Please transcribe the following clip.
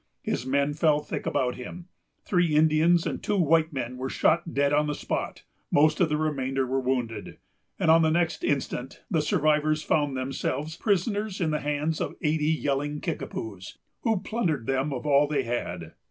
His men fell thick about him. Three Indians and two white men were shot dead on the spot; most of the remainder were wounded; and on the next instant the survivors found themselves prisoners in the hands of eighty yelling Kickapoos, who plundered them of all they had.